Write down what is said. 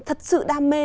thật sự đam mê